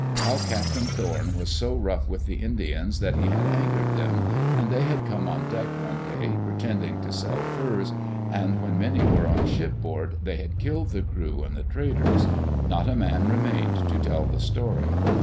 How Captain Thorn was so rough with the Indians that he had angered them, and they had come on deck one day, pretending to sell furs, and when many were on ship board they had killed the crew and the traders. Not a man remained to tell the story.